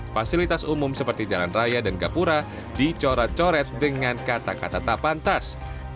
fasilitas umum seperti jalan raya dan gapura dicoret coret dengan kata kata tak pantas